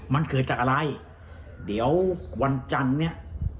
มันเกิดจากอะไรเดี๋ยววันจันทร์เนี่ย